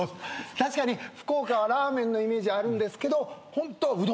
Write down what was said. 確かに福岡はラーメンのイメージあるんですけどホントはうどんなんすよ。